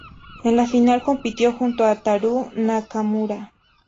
En la final compitió junto a Ataru Nakamura.